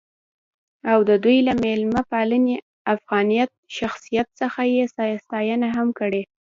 او د دوي له میلمه پالنې ،افغانيت ،شخصیت څخه يې ستاينه هم کړې.